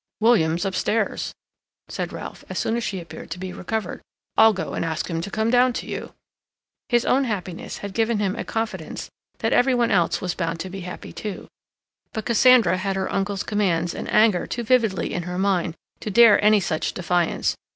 "William's upstairs," said Ralph, as soon as she appeared to be recovered. "I'll go and ask him to come down to you." His own happiness had given him a confidence that every one else was bound to be happy too. But Cassandra had her uncle's commands and anger too vividly in her mind to dare any such defiance.